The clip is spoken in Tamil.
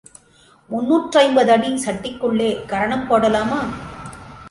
முன்னூற்று ஐம்பது அடிச்சட்டிக்குள்ளே கரணம் போடலாமா?